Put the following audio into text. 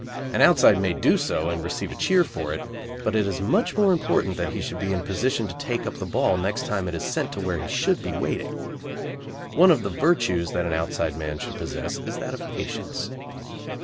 An outside may do so and receive a cheer for it, but it is much more important that he should be in position to take up the ball next time it is sent where he should be waiting. One of the virtues that an outside man should possess is that of patience.